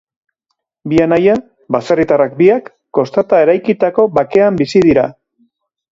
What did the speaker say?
Bi anaia, baserritarrak biak, kostata eraikitako bakean bizi dira.